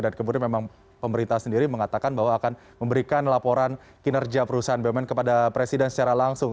dan kemudian memang pemerintah sendiri mengatakan bahwa akan memberikan laporan kinerja perusahaan bumn kepada presiden secara langsung